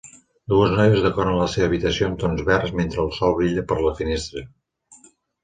Dues noies decoren la seva habitació amb tons verds mentre el sol brilla per la finestra.